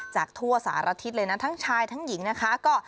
จากทั่วสารทิศเลยนะทั้งชายทั้งหญิงนะคะ